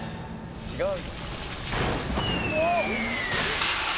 違う。